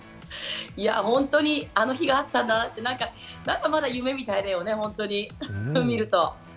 ホントにあの日があったなって何かまだ夢みたいだよね、見ると。